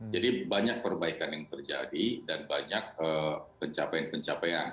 jadi banyak perbaikan yang terjadi dan banyak pencapaian pencapaian